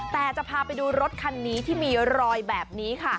แต่จะพาไปดูรถคันนี้ที่มีรอยแบบนี้ค่ะ